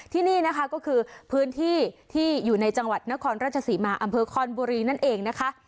ที่นี่นะคะก็คือพื้นที่ที่อยู่ในจังหวัดนครราชศรีมาอำเภอคอนบุรีนั่นเองนะคะ